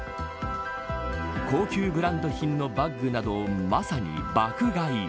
高級ブランド品のバッグなどまさに爆買い。